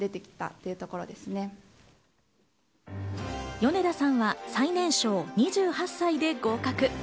米田さんは最年少、２８歳で合格。